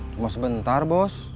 cuma sebentar bos